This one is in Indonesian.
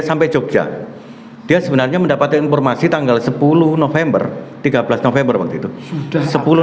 sampai jogja dia sebenarnya mendapatkan informasi tanggal sepuluh november tiga belas november waktu itu sudah sepuluh